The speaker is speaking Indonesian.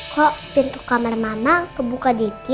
kok pintu kamar mama kebuka dikit